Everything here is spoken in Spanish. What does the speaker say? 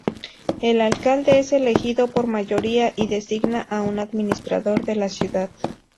El alcalde es elegido por mayoría y designa a un administrador de la ciudad.